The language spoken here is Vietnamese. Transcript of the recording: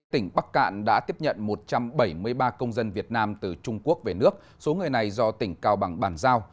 tỉnh bắc cạn đã tiếp nhận một trăm bảy mươi ba công dân việt nam từ trung quốc về nước số người này do tỉnh cao bằng bàn giao